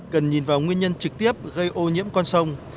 cần nhìn vào nguyên nhân trực tiếp gây ô nhiễm con sông